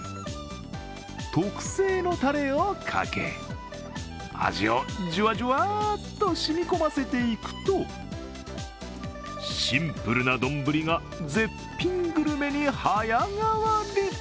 特製のたれをかけ、味をじゅわじゅわと染み込ませていくとシンプルな丼が絶品グルメに早変わり。